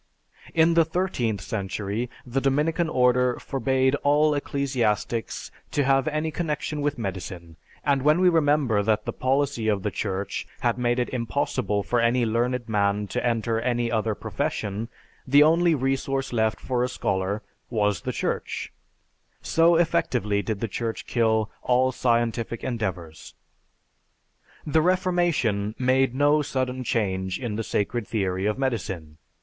In the thirteenth century, the Dominican Order forbade all ecclesiastics to have any connection with medicine; and when we remember that the policy of the Church had made it impossible for any learned man to enter any other profession, the only resource left for a scholar was the Church; so effectively did the Church kill all scientific endeavors. The Reformation made no sudden change in the sacred theory of medicine.